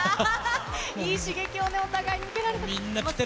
いい刺激をね、お互い受けられたと。